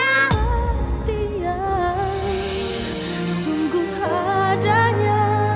pasti ya sungguh adanya